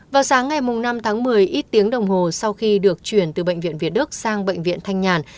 vào sáng ngày năm tháng một mươi ít tiếng đồng hồ sau khi được chuyển từ bệnh viện việt đức sang bệnh viện thanh nhàn